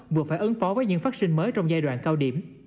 vừa phải ứng phó với những phát sinh mới trong giai đoạn cao điểm